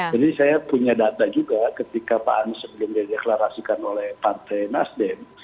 jadi saya punya data juga ketika pak anis sebelum dieklarasikan oleh partai nasdem